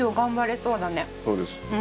そうです。